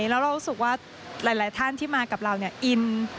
แล้วเรารู้สึกว่าหลายท่านที่มากับเราเนี่ยอิน